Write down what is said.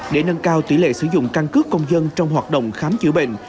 để nâng cao tỷ lệ sử dụng căn cứ công dân trong hoạt động khám chữa bệnh